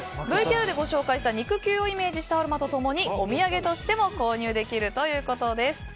ＶＴＲでご紹介した肉球をイメージしたアロマと共にお土産としても購入できるということです。